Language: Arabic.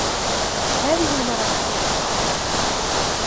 هذه المرة سألعب.